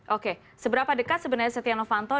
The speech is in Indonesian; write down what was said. oke seberapa dekat sebenarnya setia novanto